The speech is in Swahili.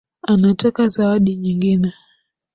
Anataka zawadi nyingine